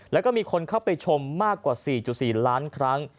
แล้วก็มีคนเข้าไปชมมากกว่า๔๔ล้านครั้ง